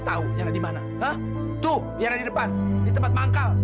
tuh dia ada di depan di tempat manggal